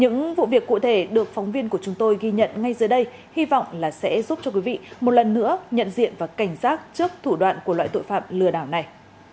những vụ việc cụ thể được phóng viên của chúng tôi ghi nhận ngay dưới đây hy vọng là sẽ giúp cho quý vị một lần nữa nhận diện và cảnh giác trước thủ đoạn của loại tội phạm lừa đảo này